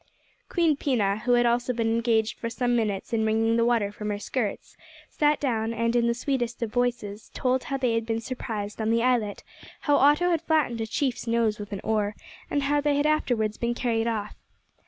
Queen Pina, who had also been engaged for some minutes in wringing the water from her skirts, sat down, and, in the sweetest of voices, told how they had been surprised on the islet, how Otto had flattened a chief's nose with an oar, and how they had afterwards been carried off.